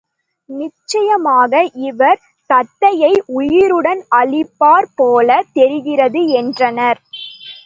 நிச்சயமாக இவர் தத்தையை உயிருடன் அளிப்பார் போலத் தெரிகிறது என்றனர்.